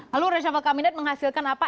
lalu reshuffle kabinet menghasilkan apa